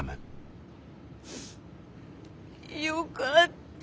よかった。